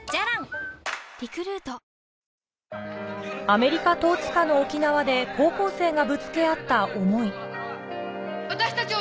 アメリカ統治下の沖縄で高校生がぶつけ合った思い私たち